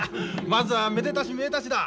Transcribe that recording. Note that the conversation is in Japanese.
まずはめでたしめでたしだ。